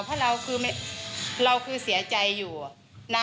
เพราะเราคือเสียใจอยู่นะ